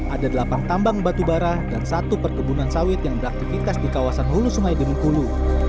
ada delapan tambang batubara dan satu perkebunan sawit yang beraktivitas di kawasan hulu sungai di bengkulu